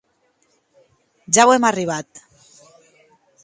Ja auem arribat.